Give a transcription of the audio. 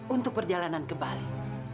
untuk perjalanan ke bali